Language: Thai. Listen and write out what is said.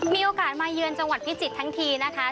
มีโอกาสมาเยือนจังหวัดพิจิตรทั้งทีนะคะ